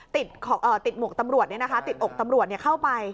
ติดหมวกตำรวจติดอกตำรวจเข้าไป